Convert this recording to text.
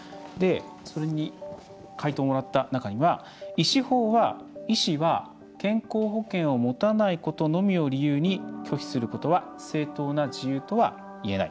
それに回答をもらった中には医師法は医師は健康保険を持たないことのみを理由に拒否することは「正当な事由」とは言えない。